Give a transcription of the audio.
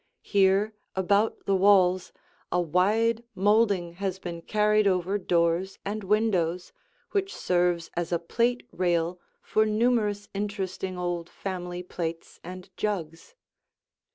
Here, about the walls, a wide molding has been carried over doors and windows, which serves as a plate rail for numerous interesting old family plates and jugs.